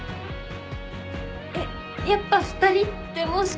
えっやっぱ２人ってもしかして。